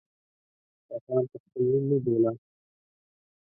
_غټان په خپل نوم مه بوله!